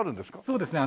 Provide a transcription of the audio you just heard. そうですね。